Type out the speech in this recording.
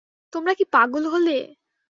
তোমরা কি পাগল হলে?